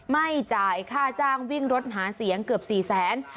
ไม่จ่ายค่าจ้างวิ่งรถหาเสียงเกือบ๔แสน